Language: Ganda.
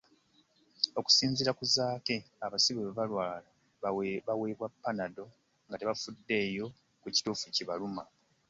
Okusinziira ku Zaake, abasibe bwe balwala baweebwa ‘Panadol ‘nga tebafuddeyo ku kituufu ekibaluma.